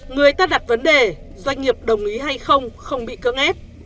người ta đặt vấn đề doanh nghiệp đồng ý hay không không bị cưỡng ép